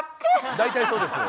大体そうです。